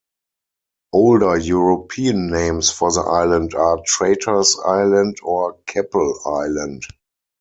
Older European names for the island are Traitors island or Keppel island.